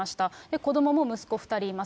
子どもも息子２人います。